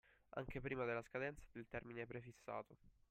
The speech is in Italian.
Anche prima della scadenza del termine prefissato.